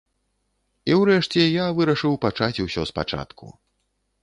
І ўрэшце я вырашыў пачаць усё спачатку.